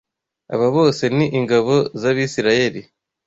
Aba bose ni ingabo z’Abisirayeli